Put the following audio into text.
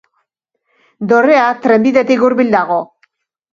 Dorrea trenbidetik hurbil dago.